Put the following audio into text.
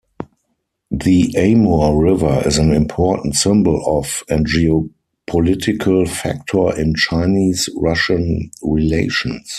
The Amur River is an important symbol of, and geopolitical factor in, Chinese-Russian relations.